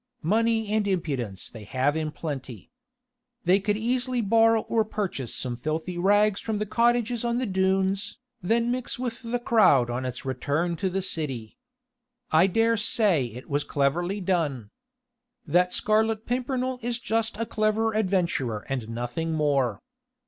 Money and impudence they have in plenty. They could easily borrow or purchase some filthy rags from the cottages on the dunes, then mix with the crowd on its return to the city. I dare say it was cleverly done. That Scarlet Pimpernel is just a clever adventurer and nothing more.